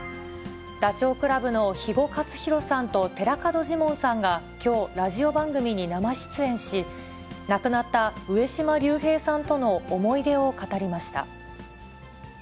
ダチョウ倶楽部の肥後克広さんと寺門ジモンさんがきょう、ラジオ番組に生出演し、亡くなった上島竜兵さんとの思い出を語りました。